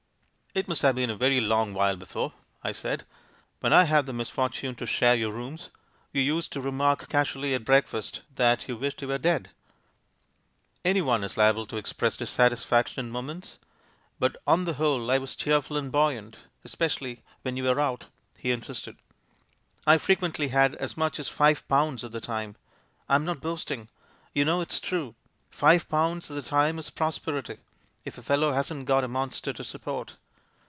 "It must have been a very long while before," I said. "When I had the misfortune to share your rooms, you used to remark casually at breakfast that you wished you were dead." "Anyone is liable to express dissatisfaction in moments; but on the whole I was cheerful and buoyant, especially when you were out," he in sisted. "I frequently had as much as five pounds at the time. I'm not boasting; you know it's true. Five pounds at the time is prosperity, if a fellow hasn't got a monster to support.